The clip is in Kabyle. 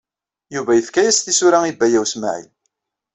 Yuba yefka-as tisura i Baya U Smaɛil.